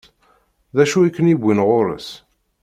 D acu i ken-iwwin ɣur-s?